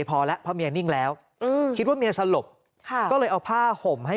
พอแล้วเพราะเมียนิ่งแล้วคิดว่าเมียสลบค่ะก็เลยเอาผ้าห่มให้